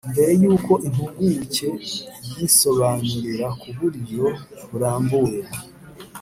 mbere yuko impuguke iyinsobanurira ku buryo burambuye.